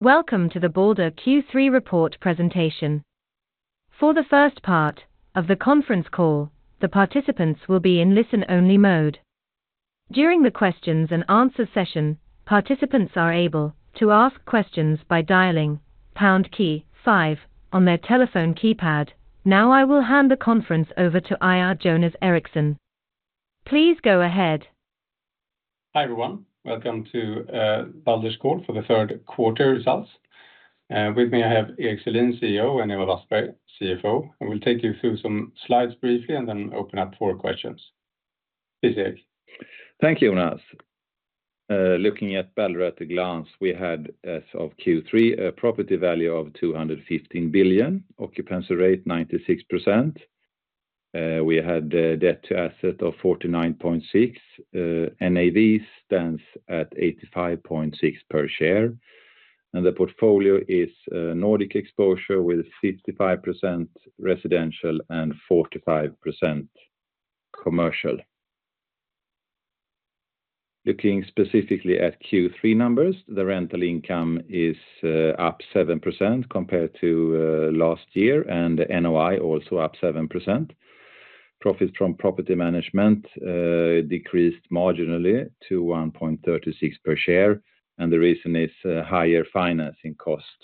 Welcome to the Balder Q3 report presentation. For the first part of the conference call, the participants will be in listen-only mode. During the questions and answer session, participants are able to ask questions by dialing pound key five on their telephone keypad. Now, I will hand the conference over to IR Jonas Eriksson. Please go ahead. Hi, everyone. Welcome to Balder's call for the third quarter results. With me, I have Erik Selin, CEO, and Ewa Wassberg, CFO, and we'll take you through some slides briefly and then open up for questions. Please, Erik. Thank you, Jonas. Looking at Balder at a glance, we had, as of Q3, a property value of 215 billion, occupancy rate 96%. We had debt to asset of 49.6. NAV stands at 85.6 per share, and the portfolio is Nordic exposure with 55% residential and 45% commercial. Looking specifically at Q3 numbers, the rental income is up 7% compared to last year, and the NOI also up 7%. Profits from property management decreased marginally to 1.36 per share, and the reason is higher financing cost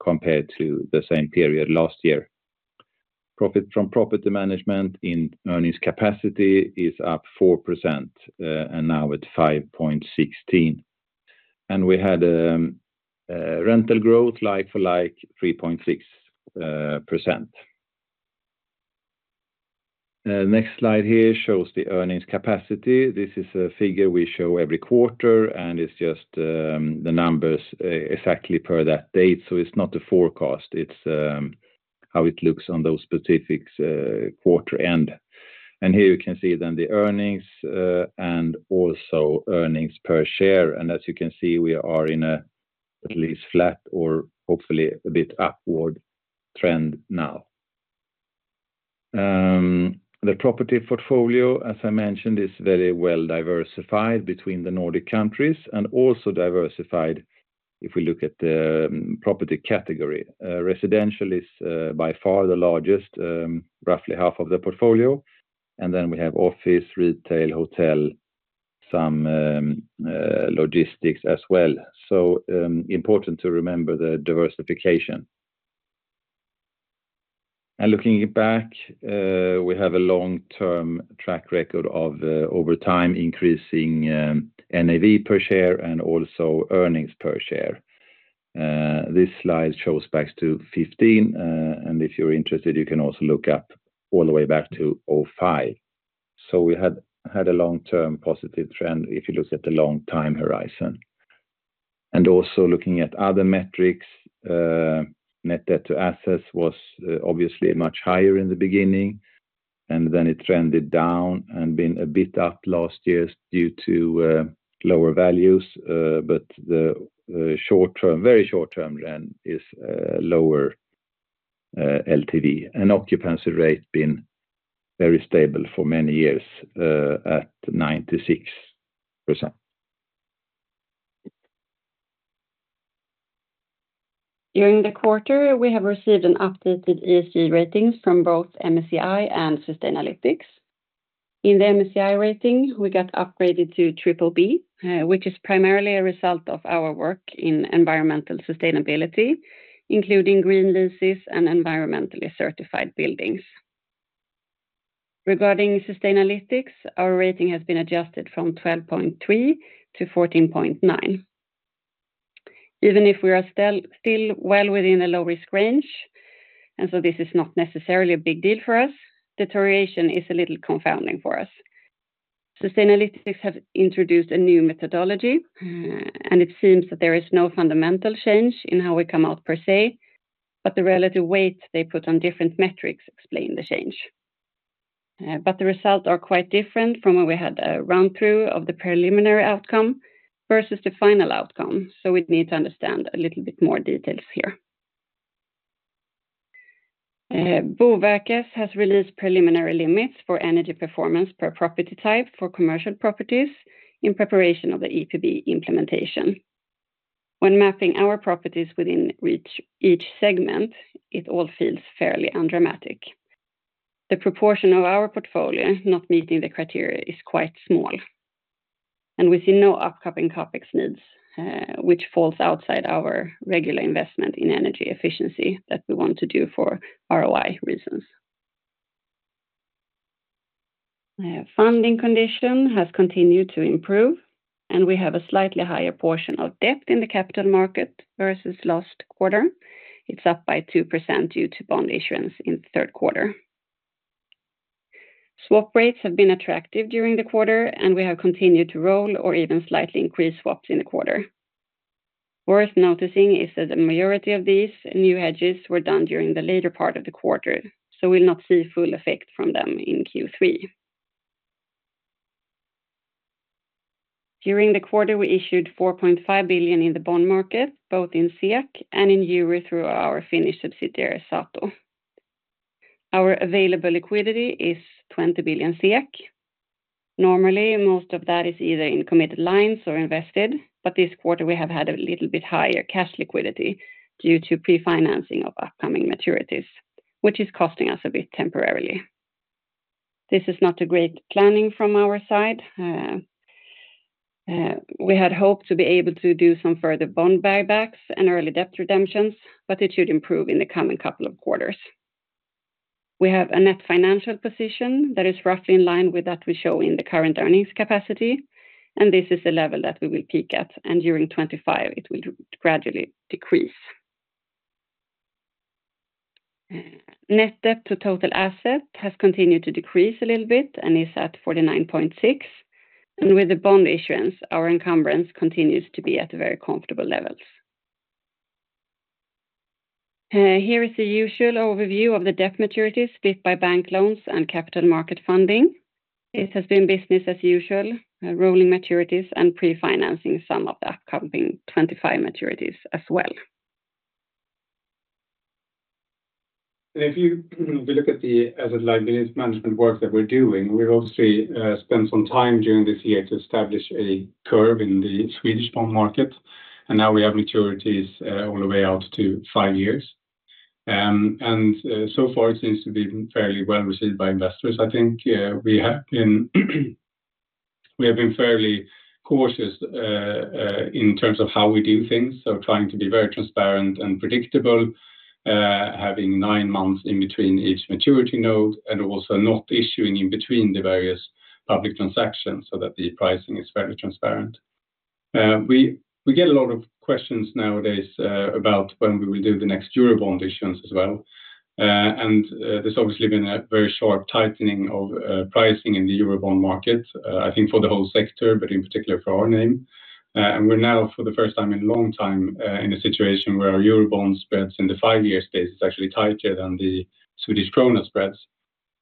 compared to the same period last year. Profit from property management in earnings capacity is up 4% and now at 5.16, and we had rental growth like for like 3.6%. Next slide here shows the Earnings Capacity. This is a figure we show every quarter, and it's just the numbers exactly per that date. It's not the forecast. It's how it looks on those specific quarter end. Here you can see then the earnings and also earnings per share. As you can see, we are at least flat or hopefully a bit upward trend now. The property portfolio, as I mentioned, is very well diversified between the Nordic countries and also diversified if we look at the property category. Residential is by far the largest, roughly half of the portfolio, and then we have office, retail, hotel, some logistics as well. Important to remember the diversification. And looking back, we have a long-term track record of over time increasing NAV per share and also earnings per share. This slide shows back to 2015. And if you're interested, you can also look up all the way back to 2005. So we had a long-term positive trend if you look at the long time horizon. And also looking at other metrics, net debt to assets was obviously much higher in the beginning, and then it trended down and been a bit up last year due to lower values. But the short term, very short-term trend is lower LTV and occupancy rate been very stable for many years at 96%. During the quarter, we have received an updated ESG ratings from both MSCI and Sustainalytics. In the MSCI rating, we got upgraded to BBB, which is primarily a result of our work in environmental sustainability, including green leases and environmentally certified buildings. Regarding Sustainalytics, our rating has been adjusted from 12.3 to 14.9. Even if we are still well within a low-risk range, and so this is not necessarily a big deal for us, deterioration is a little confounding for us. Sustainalytics have introduced a new methodology, and it seems that there is no fundamental change in how we come out per se, but the relative weight they put on different metrics explain the change. But the results are quite different from when we had a run-through of the preliminary outcome versus the final outcome, so we need to understand a little bit more details here. Boverket has released preliminary limits for energy performance per property type for commercial properties in preparation of the EPB implementation. When mapping our properties within each segment, it all feels fairly undramatic. The proportion of our portfolio not meeting the criteria is quite small, and we see no upcoming CapEx needs, which falls outside our regular investment in energy efficiency that we want to do for ROI reasons. Funding condition has continued to improve, and we have a slightly higher portion of debt in the capital market versus last quarter. It's up by 2% due to bond issuance in the third quarter. Swap rates have been attractive during the quarter, and we have continued to roll or even slightly increase swaps in the quarter. Worth noticing is that the majority of these new hedges were done during the later part of the quarter, so we'll not see full effect from them in Q3. During the quarter, we issued 4.5 billion in the bond market, both in SEK and in EUR, through our Finnish subsidiary, Sato. Our available liquidity is 20 billion SEK. Normally, most of that is either in committed lines or invested, but this quarter we have had a little bit higher cash liquidity due to pre-financing of upcoming maturities, which is costing us a bit temporarily. This is not a great planning from our side. We had hoped to be able to do some further bond buybacks and early debt redemptions, but it should improve in the coming couple of quarters. We have a net financial position that is roughly in line with that we show in the current earnings capacity, and this is the level that we will peak at, and during 2025 it will gradually decrease. Net debt to total asset has continued to decrease a little bit and is at 49.6%, and with the bond issuance, our encumbrance continues to be at very comfortable levels. Here is the usual overview of the debt maturities, split by bank loans and capital market funding. It has been business as usual, rolling maturities and pre-financing some of the upcoming 2025 maturities as well. And if you will look at the asset liability management work that we're doing, we've obviously spent some time during this year to establish a curve in the Swedish bond market, and now we have maturities all the way out to five years. So far, it seems to be fairly well received by investors, I think. We have been fairly cautious in terms of how we do things, so trying to be very transparent and predictable, having nine months in between each maturity node, and also not issuing in between the various public transactions so that the pricing is fairly transparent. We get a lot of questions nowadays about when we will do the next Eurobond issuance as well. And there's obviously been a very sharp tightening of pricing in the Eurobond market. I think for the whole sector, but in particular for our name. And we're now, for the first time in a long time, in a situation where our Eurobond spreads in the five-year space is actually tighter than the Swedish krona spreads.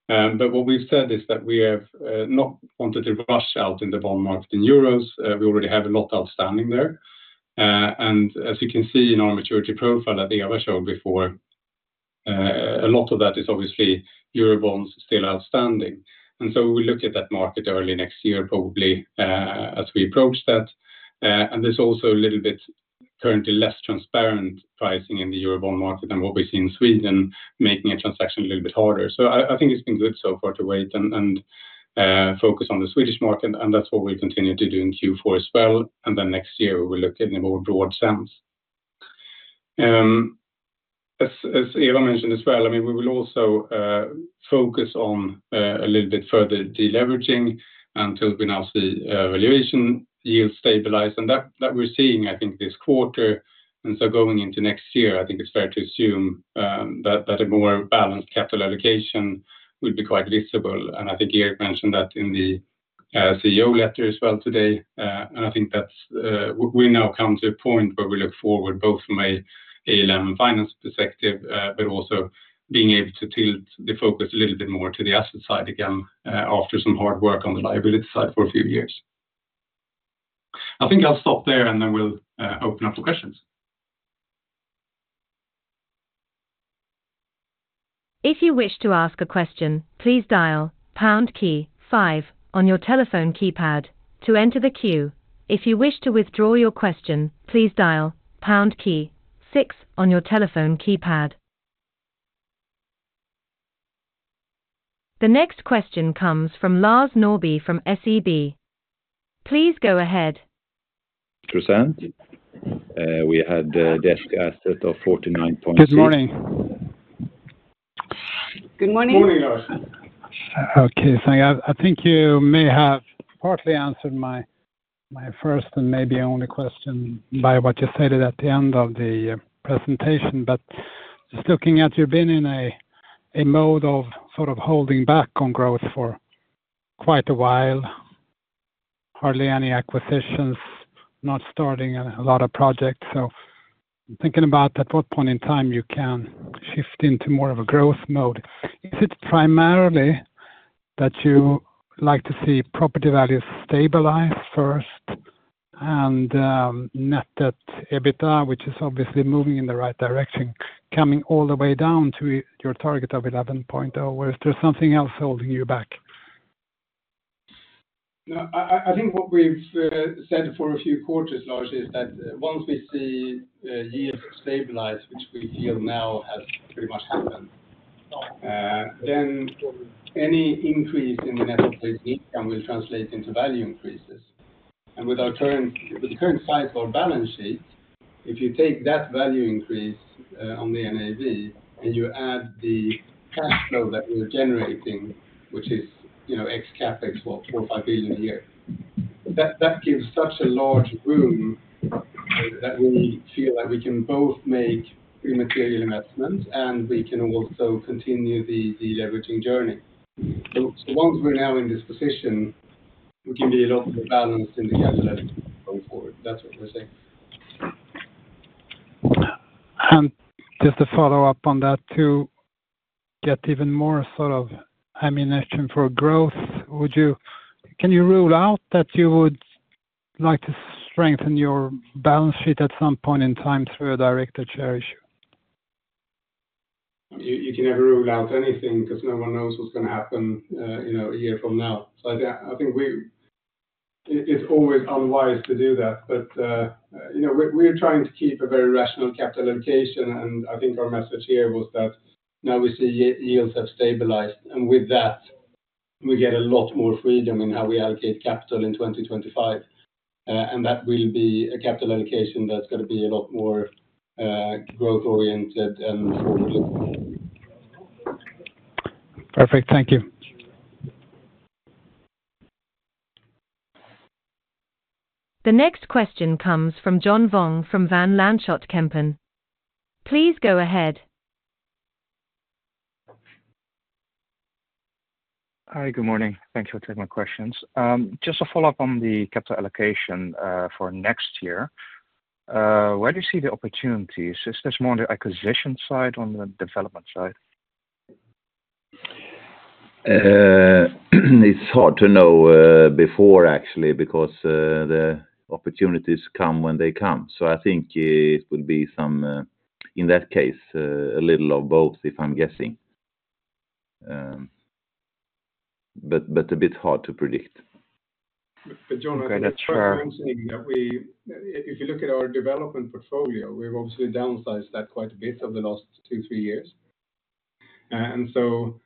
But what we've said is that we have not wanted to rush out in the bond market in Euros. We already have a lot outstanding there. And as you can see in our maturity profile that Eva showed before, a lot of that is obviously Eurobonds still outstanding. And so we look at that market early next year, probably, as we approach that. And there's also a little bit currently less transparent pricing in the Eurobond market than what we see in Sweden, making a transaction a little bit harder. So I think it's been good so far to wait and focus on the Swedish market, and that's what we'll continue to do in Q4 as well. Then next year, we will look at it in a more broad sense. As Ewa mentioned as well, I mean, we will also focus on a little bit further deleveraging until we announce the valuation yield stabilize. And that we're seeing, I think, this quarter, and so going into next year, I think it's fair to assume that a more balanced capital allocation will be quite visible. And I think Erik mentioned that in the CEO letter as well today, and I think that's... We now come to a point where we look forward, both from ALM and finance perspective, but also being able to tilt the focus a little bit more to the asset side again, after some hard work on the liability side for a few years. I think I'll stop there, and then we'll open up for questions. If you wish to ask a question, please dial pound key five on your telephone keypad to enter the queue. If you wish to withdraw your question, please dial pound key six on your telephone keypad. The next question comes from Lars Norby from SEB. Please go ahead. Present. We had debt-to-asset of 49.6- Good morning. Good morning. Morning, Lars. Okay, so I think you may have partly answered my first and maybe only question by what you said at the end of the presentation. But just looking at, you've been in a mode of sort of holding back on growth for quite a while. Hardly any acquisitions, not starting a lot of projects. So I'm thinking about at what point in time you can shift into more of a growth mode. Is it primarily that you like to see property values stabilize first and get that EBITDA, which is obviously moving in the right direction, coming all the way down to your target of 11.0, or is there something else holding you back? I think what we've said for a few quarters, Lars, is that once we see yields stabilize, which we feel now has pretty much happened, then any increase in the net operating income will translate into value increases. And with the current size of our balance sheet, if you take that value increase on the NAV, and you add the cash flow that we're generating, which is, you know, ex-CapEx, what, 4-5 billion a year, that gives such a large room that we feel like we can both make immaterial investments, and we can also continue the leveraging journey. So once we're now in this position, we can be a lot more balanced in the catalog going forward. That's what we're saying. Just to follow up on that, to get even more sort of ammunition for growth, can you rule out that you would like to strengthen your balance sheet at some point in time through a direct or share issue? You can never rule out anything because no one knows what's going to happen, you know, a year from now, so I think it's always unwise to do that, but you know, we're trying to keep a very rational capital allocation, and I think our message here was that now we see yields have stabilized, and with that, we get a lot more freedom in how we allocate capital in twenty 2025, and that will be a capital allocation that's gonna be a lot more growth-oriented and forward-looking. Perfect. Thank you. The next question comes from John Vuong from Van Lanschot Kempen. Please go ahead. Hi, good morning. Thank you for taking my questions. Just a follow-up on the capital allocation, for next year. Where do you see the opportunities? Is this more on the acquisition side, on the development side? It's hard to know before, actually, because the opportunities come when they come. So I think it would be some, in that case, a little of both, if I'm guessing. But a bit hard to predict. But John, I think it's worth mentioning that we if you look at our development portfolio, we've obviously downsized that quite a bit over the last two, three years. And so,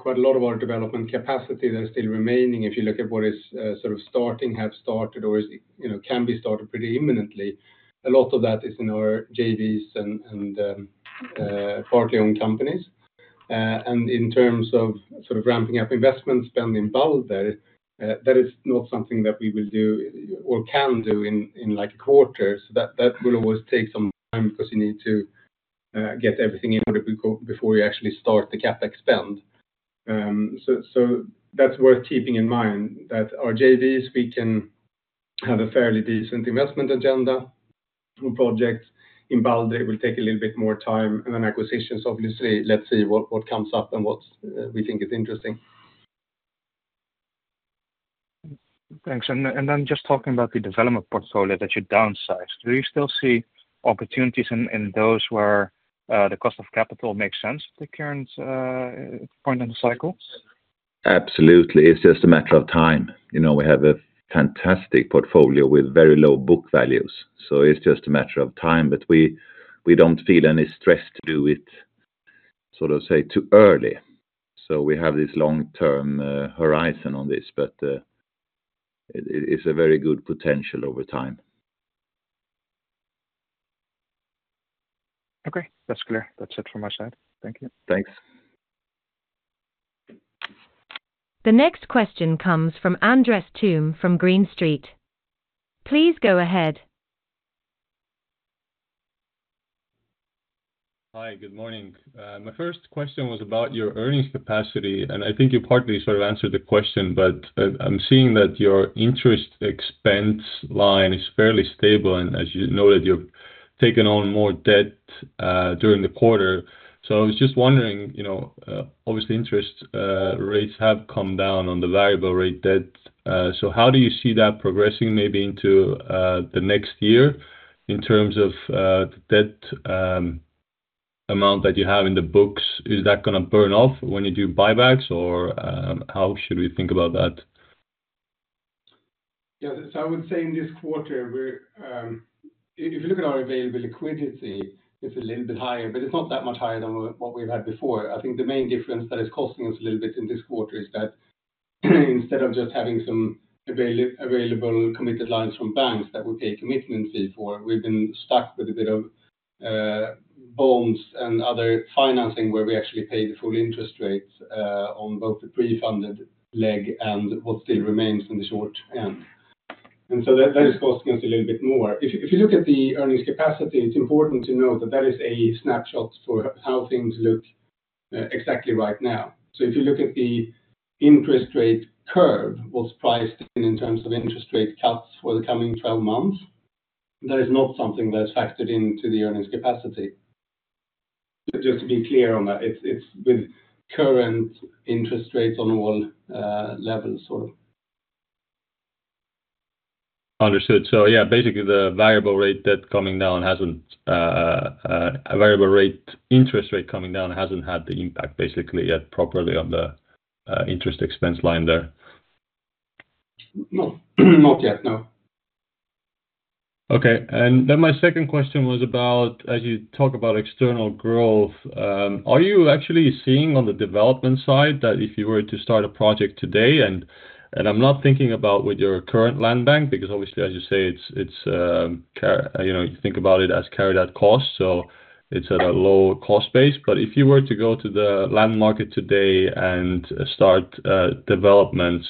quite a lot of our development capacity that is still remaining, if you look at what is sort of starting, have started or is, you know, can be started pretty imminently, a lot of that is in our JVs and partly owned companies. And in terms of sort of ramping up investment spend in Balder, that is not something that we will do or can do in like quarters. That will always take some time because you need to get everything in order before we actually start the CapEx spend. So that's worth keeping in mind, that our JVs, we can have a fairly decent investment agenda through projects. In Balder, it will take a little bit more time, and then acquisitions, obviously, let's see what comes up and what we think is interesting. Thanks. And then just talking about the development portfolio that you downsized, do you still see opportunities in those where the cost of capital makes sense at the current point in the cycles? Absolutely. It's just a matter of time. You know, we have a fantastic portfolio with very low book values, so it's just a matter of time. But we don't feel any stress to do it, sort of, say, too early. So we have this long-term horizon on this, but it is a very good potential over time. Okay. That's clear. That's it from my side. Thank you. Thanks. The next question comes from Andres Toome from Green Street. Please go ahead. Hi, good morning. My first question was about your earnings capacity, and I think you partly sort of answered the question, but, I'm seeing that your interest expense line is fairly stable, and as you know, that you've taken on more debt, during the quarter. So I was just wondering, you know, obviously, interest rates have come down on the variable rate debt. So how do you see that progressing maybe into, the next year in terms of, the debt amount that you have in the books? Is that gonna burn off when you do buybacks, or, how should we think about that? Yeah. So I would say in this quarter, we're, if you look at our available liquidity, it's a little bit higher, but it's not that much higher than what we've had before. I think the main difference that is costing us a little bit in this quarter is that, instead of just having some available committed lines from banks that we pay a commitment fee for, we've been stuck with a bit of, bonds and other financing, where we actually pay the full interest rates, on both the pre-funded leg and what still remains in the short end. And so that is costing us a little bit more. If you look at the earnings capacity, it's important to note that is a snapshot for how things look, exactly right now. If you look at the interest rate curve, what's priced in, in terms of interest rate cuts for the coming twelve months, that is not something that is factored into the earnings capacity. Just to be clear on that, it's with current interest rates on all levels sort of. Understood. So yeah, basically, a variable rate interest rate coming down hasn't had the impact basically yet properly on the interest expense line there. No. Not yet, no. Okay. And then my second question was about as you talk about external growth, are you actually seeing on the development side that if you were to start a project today, and I'm not thinking about with your current land bank, because obviously, as you say, it's you know, you think about it as carry that cost, so it's at a lower cost base. But if you were to go to the land market today and start developments,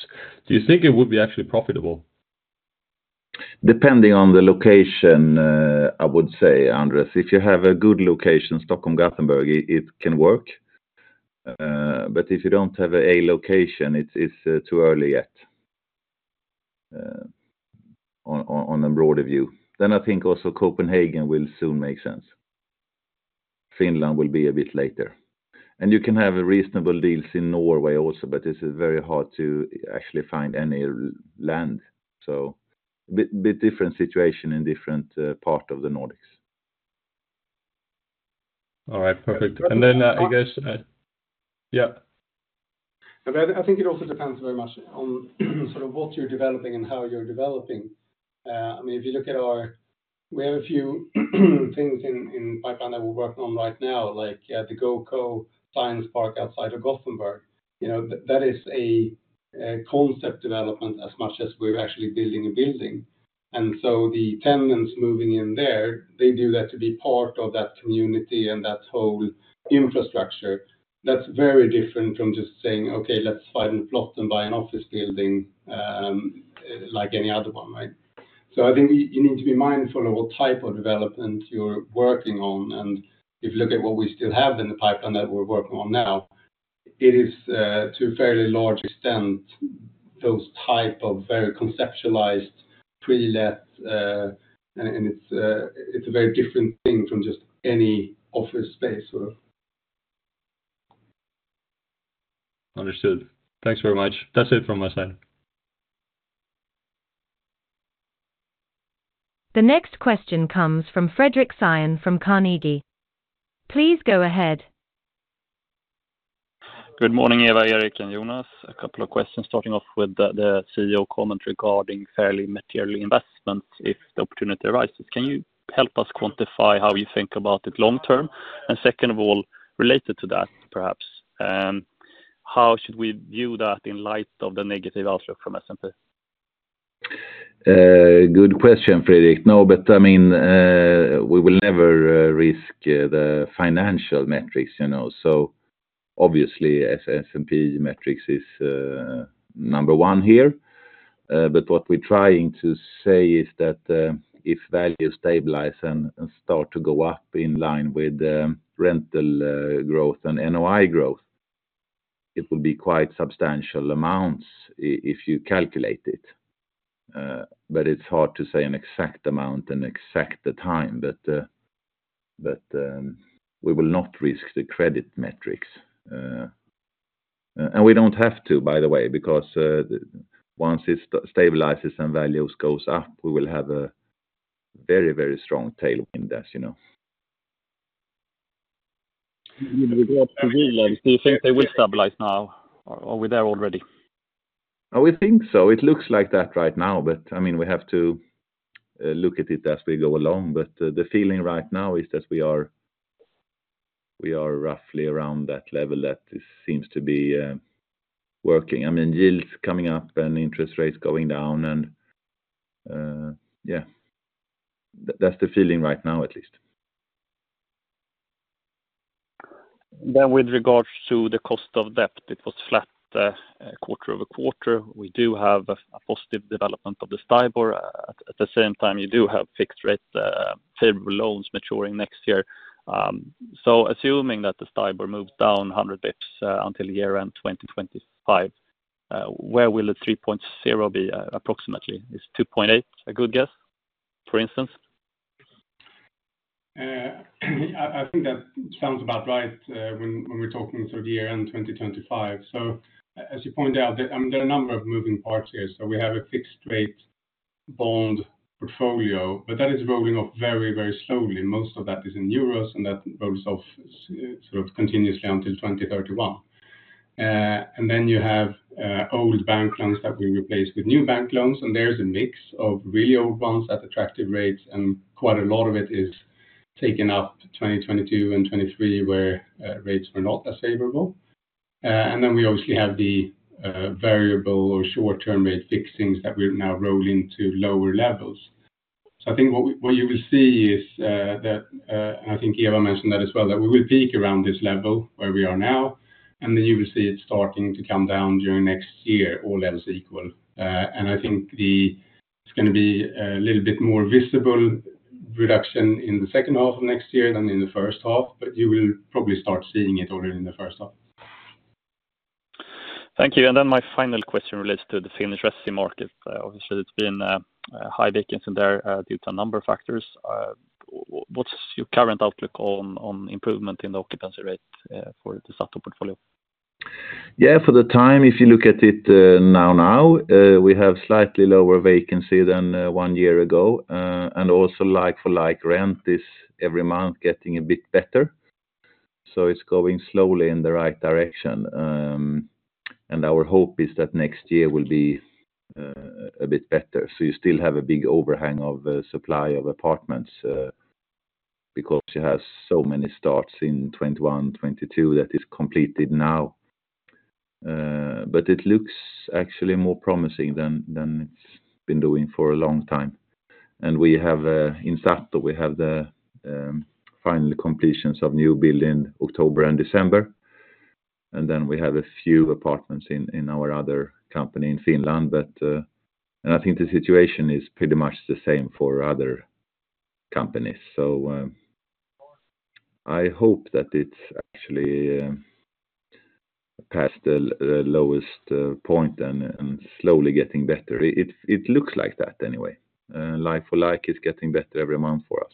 do you think it would be actually profitable? Depending on the location, I would say, Andres, if you have a good location, Stockholm, Gothenburg, it can work, but if you don't have a location, it's too early yet on a broader view, then I think also Copenhagen will soon make sense. Finland will be a bit later, and you can have reasonable deals in Norway also, but it's very hard to actually find any land, so a bit different situation in different part of the Nordics. All right, perfect. And then it goes to. Yeah. But I think it also depends very much on sort of what you're developing and how you're developing. I mean, if you look at our we have a few things in pipeline that we're working on right now, like the GoCo Science Park outside of Gothenburg. You know, that is a concept development as much as we're actually building a building. And so the tenants moving in there, they do that to be part of that community and that whole infrastructure. That's very different from just saying, "Okay, let's find a plot and buy an office building, like any other one," right? So I think you need to be mindful of what type of development you're working on. And if you look at what we still have in the pipeline that we're working on now, it is to a fairly large extent those type of very conceptualized pre-let, and it's a very different thing from just any office space, sort of. Understood. Thanks very much. That's it from my side. The next question comes from Fredric Cyon from Carnegie. Please go ahead. Good morning, Eva, Erik, and Jonas. A couple of questions, starting off with the CEO comment regarding fairly materially investment if the opportunity arises. Can you help us quantify how you think about it long term? And second of all, related to that, perhaps, how should we view that in light of the negative outlook from S&P? Good question, Fredric. No, but I mean, we will never risk the financial metrics, you know, so obviously, S&P metrics is number one here. But what we're trying to say is that, if value stabilize and start to go up in line with rental growth and NOI growth, it will be quite substantial amounts if you calculate it. But it's hard to say an exact amount and exact the time, but we will not risk the credit metrics. And we don't have to, by the way, because once it stabilizes and values goes up, we will have a very, very strong tailwind, as you know. With regards to real life, do you think they will stabilize now, or are we there already? We think so. It looks like that right now, but, I mean, we have to look at it as we go along. But the feeling right now is that we are roughly around that level that it seems to be working. I mean, yields coming up and interest rates going down and yeah, that's the feeling right now, at least. With regards to the cost of debt, it was flat quarter over quarter. We do have a positive development of the STIBOR. At the same time, you do have fixed rate favorable loans maturing next year. Assuming that the STIBOR moves down 100 basis points until year end 2025, where will the three point zero be, approximately? Is two point eight a good guess, for instance? I think that sounds about right when we're talking sort of year end 2025. As you pointed out, there are a number of moving parts here. We have a fixed rate bond portfolio, but that is rolling off very, very slowly, and most of that is in euros, and that rolls off sort of continuously until 2031. And then you have old bank loans that we replaced with new bank loans, and there's a mix of really old ones at attractive rates, and quite a lot of it is taken up to 2022 and 2023, where rates were not as favorable. And then we obviously have the variable or short-term rate fixings that we're now rolling to lower levels. I think what you will see is that, and I think Eva mentioned that as well, that we will peak around this level where we are now, and then you will see it starting to come down during next year. All levels are equal. I think it's gonna be a little bit more visible reduction in the second half of next year than in the first half, but you will probably start seeing it already in the first half. Thank you. And then my final question relates to the Finnish resi market. Obviously, it's been a high vacancy there due to a number of factors. What's your current outlook on improvement in the occupancy rate for the SATO portfolio? Yeah, for the time, if you look at it, now, we have slightly lower vacancy than one year ago. And also, like for like rent, is every month getting a bit better. So it's going slowly in the right direction. And our hope is that next year will be a bit better. So you still have a big overhang of supply of apartments, because you have so many starts in 2021, 2022, that is completed now. But it looks actually more promising than it's been doing for a long time. And we have in SATO, we have the final completions of new build in October and December, and then we have a few apartments in our other company in Finland. But... And I think the situation is pretty much the same for other companies. I hope that it's actually past the lowest point and slowly getting better. It looks like that anyway. Like for like, it's getting better every month for us.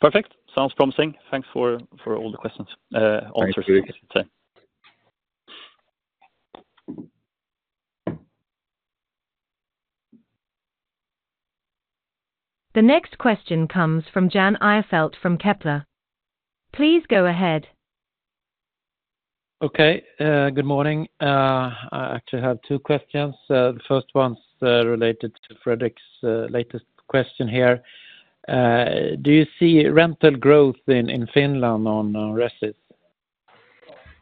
Perfect. Sounds promising. Thanks for all the questions, answers. Thank you. The next question comes from Jan Ihrfelt from Kepler. Please go ahead. Okay. Good morning. I actually have two questions. The first one's related to Fredrik's latest question here. Do you see rental growth in Finland on Resis?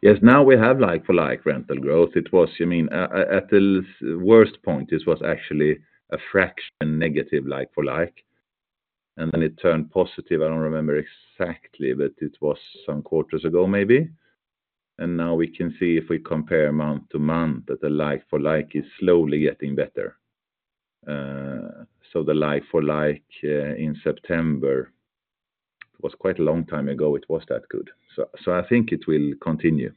Yes. Now we have like-for-like rental growth. It was, you mean, at the worst point, this was actually a fraction negative like-for-like, and then it turned positive. I don't remember exactly, but it was some quarters ago maybe. Now we can see if we compare month-to-month, that the like-for-like is slowly getting better. So, the like-for-like in September was quite a long time ago. It was that good. So, I think it will continue.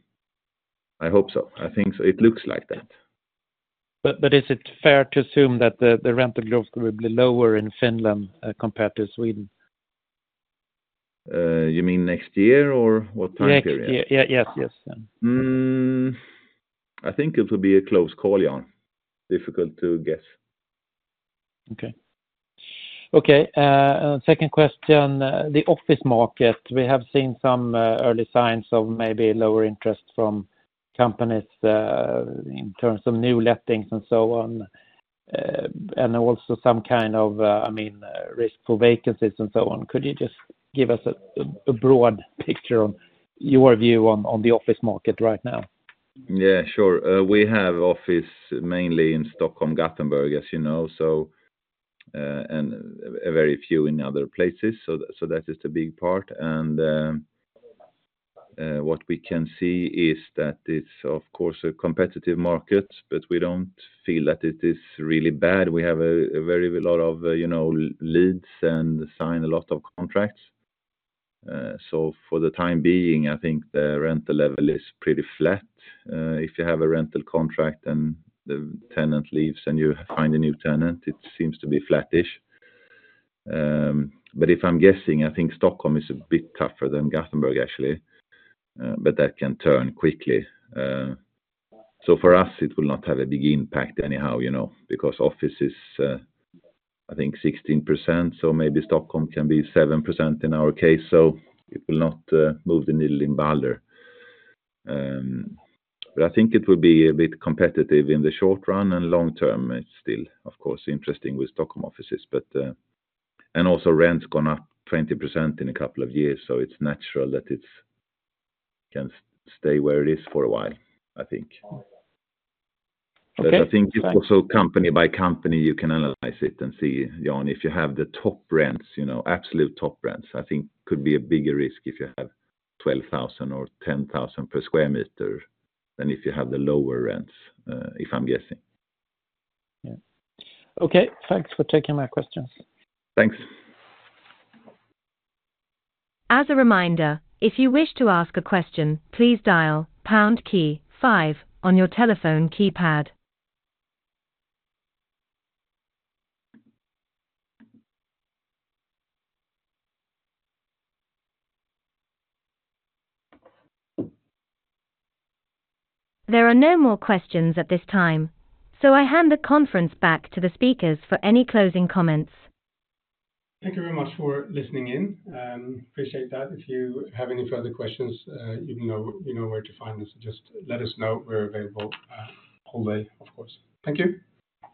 I hope so. I think so. It looks like that. But is it fair to assume that the rental growth will be lower in Finland, compared to Sweden? You mean next year, or what time period? Next year. Yeah. Yes. Yes. Hmm, I think it will be a close call, Jan. Difficult to guess. Okay. Okay, and second question. The office market, we have seen some early signs of maybe lower interest from companies in terms of new lettings and so on, and also some kind of, I mean, risk for vacancies and so on. Could you just give us a broad picture on your view on the office market right now? Yeah, sure. We have office mainly in Stockholm, Gothenburg, as you know, so and a very few in other places. So that is the big part. And what we can see is that it's of course a competitive market, but we don't feel that it is really bad. We have a very lot of, you know, leads and sign a lot of contracts. So for the time being, I think the rental level is pretty flat. If you have a rental contract and the tenant leaves and you find a new tenant, it seems to be flattish. But if I'm guessing, I think Stockholm is a bit tougher than Gothenburg, actually. But that can turn quickly. For us, it will not have a big impact anyhow, you know, because office is, I think, 16%, so maybe Stockholm can be 7% in our case, so it will not move the needle in Balder. I think it will be a bit competitive in the short run, and long term, it is still, of course, interesting with Stockholm offices. Also, rent's gone up 20% in a couple of years, so it is natural that it can stay where it is for a while, I think. Okay. But I think it's also company by company, you can analyze it and see, Jan, if you have the top rents, you know, absolute top rents, I think could be a bigger risk if you have 12,000 or 10,000 per sq m than if you have the lower rents, if I'm guessing. Yeah. Okay, thanks for taking my questions. Thanks. As a reminder, if you wish to ask a question, please dial pound key five on your telephone keypad. There are no more questions at this time, so I hand the conference back to the speakers for any closing comments. Thank you very much for listening in. Appreciate that. If you have any further questions, you know where to find us, just let us know. We're available, all day, of course. Thank you.